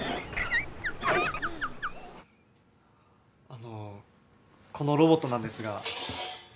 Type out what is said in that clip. あのこのロボットなんですが。